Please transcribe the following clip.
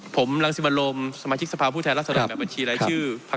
ผมรางสิบลมสมาชิกสภาพปื้นแทนรักษาแข่งแบบบัญชีรายชื่อ